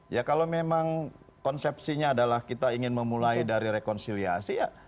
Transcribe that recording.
ya kalau memang konsepsinya adalah kita ingin memulai dari rekonsiliasi ya